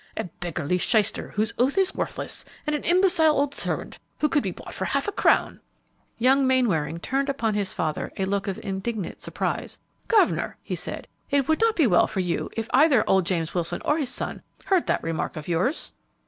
A beggarly shyster whose oath is worthless, and an imbecile old servant, who could be bought for a half crown!" Young Mainwaring turned upon his father a look of indignant surprise. "Governor," he said, "it would not be well for you if either old James Wilson or his son heard that remark of yours!"